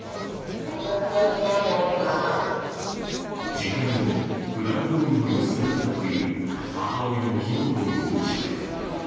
事件後も普段どおりの様子だったという母親の浩子容疑者。